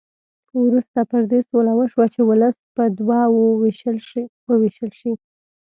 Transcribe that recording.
وروسته پر دې سوله وشوه چې ولس په دوه وو وېشل شي.